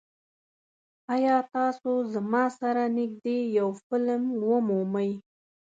ایا تاسو زما سره نږدې یو فلم ومومئ؟